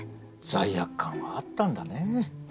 罪悪感はあったんだねえ。